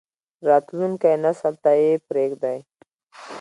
راتلونکی نسل ته یې پریږدئ